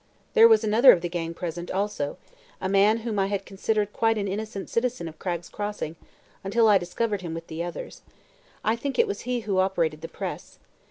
There was another of the gang present, also; a man whom I had considered quite an innocent citizen of Cragg's Crossing until I discovered him with the others. I think it was he who operated the press.